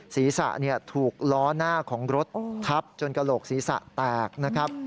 ศีรษะถูกล้อหน้าของรถทับจนกระโหลกศีรษะแตกนะครับ